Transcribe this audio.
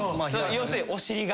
要するにお尻が。